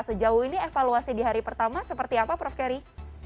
sejauh ini evaluasi di hari pertama seperti apa prof keri